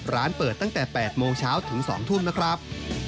ร้านเปิดตั้งแต่๘โมงเช้าถึง๒ทุ่มนะครับ